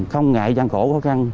không ngại gian khổ khó khăn